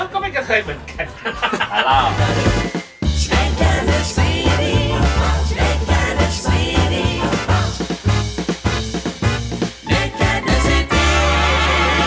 ก็ไม่เคยเหมือนกัน